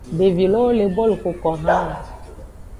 Devi lowo le bolu xoko haan.